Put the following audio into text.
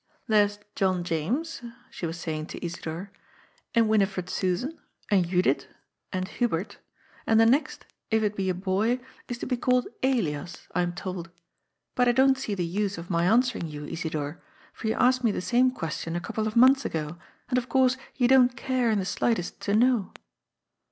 ^^ There is John James," she was saying to Isidor, " and Winifred Suzan, and Judith, and Hubert, and the next, if it be a boy, is to be called Elias, I am told. But I don't see the use of my answering you, Isidor, for you asked me the same question a couple of months ago, and of course you don't care in the slightest to know."